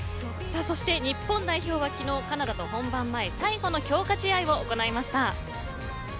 日本代表は昨日、カナダと本番前最後の強化試合を行いました。